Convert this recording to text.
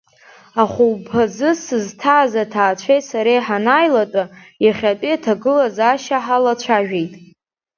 Ахәылԥазы сызҭааз аҭаацәеи сареи ҳанааилатәа, иахьатәи аҭагылазаашьа ҳалацәажәеит…